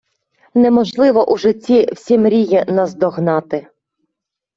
Неможливо у житті всі мрії наздогнати